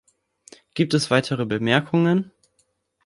Gibt es weitere Bemerkungen?